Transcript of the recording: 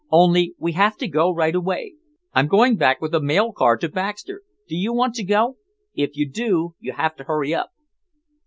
Only we have to go right away. I'm going back with the mail car to Baxter. Do you want to go? If you do you have to hurry up."